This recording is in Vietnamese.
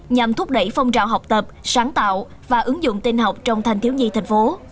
nhằm thúc đẩy phong trào học tập sáng tạo và ứng dụng tin học trong thành thiếu nhi thành phố